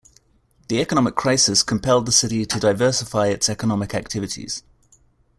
The economic crisis compelled the city to diversify its economic activities.